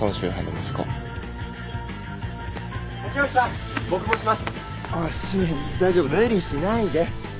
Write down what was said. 無理しないで。